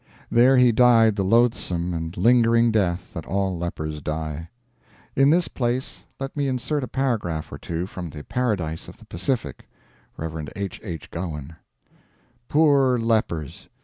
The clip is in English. There he died the loathsome and lingering death that all lepers die. In this place let me insert a paragraph or two from "The Paradise of the Pacific" (Rev. H. H. Gowen) "Poor lepers!